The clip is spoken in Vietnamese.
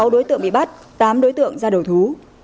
sáu đối tượng bị bắt tám đối tượng ra đầu thú